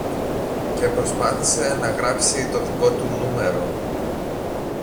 και προσπάθησε να γράψει το δικό του νούμερο